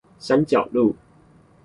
山腳路